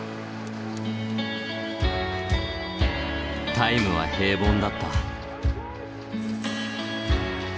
タイムは平凡だった。